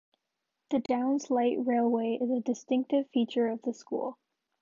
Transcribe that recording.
The Downs Light Railway is a distinctive feature of the school.